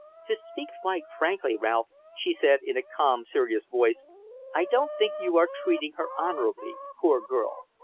"To speak quite frankly, Ralph," she said in a calm, serious voice, "I don't think you are treating her honourably, poor girl.